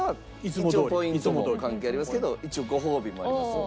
ポイントも関係ありますけど一応ご褒美もあります。